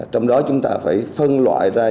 trong đó chúng ta phải phân loại ra